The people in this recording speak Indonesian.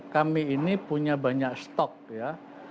kami ini punya banyak stok ya